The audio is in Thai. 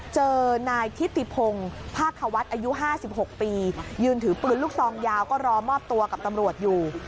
เจอนายทิติพงศ์ภาคควัฒน์อายุ๕๖ปียืนถือปืนลูกซองยาวก็รอมอบตัวกับตำรวจอยู่